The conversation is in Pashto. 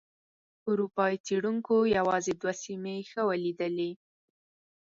اروپایي څېړونکو یوازې دوه سیمې ښه ولیدلې.